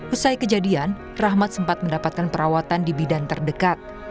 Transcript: usai kejadian rahmat sempat mendapatkan perawatan di bidan terdekat